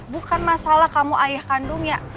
bukan masalah kamu ayah kandungnya